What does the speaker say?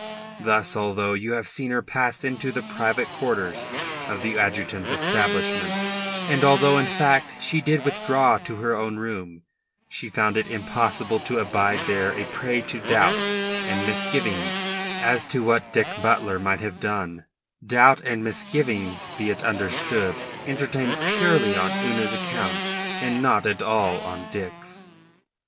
Thus, although you have seen her pass into the private quarters of the adjutant's establishment, and although, in fact, she did withdraw to her own room, she found it impossible to abide there a prey to doubt and misgivings as to what Dick Butler might have done doubt and misgivings, be it understood, entertained purely on Una's account and not at all on Dick's.